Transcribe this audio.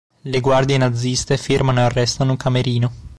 Le guardie naziste fermano e arrestano Camerino.